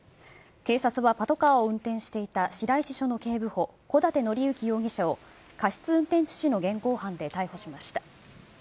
警察はパトカーを運転していた白石署の警部補、小舘紀幸容疑者を過失運転致死の現行犯で逮捕しました。